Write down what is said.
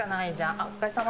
あっお疲れさま。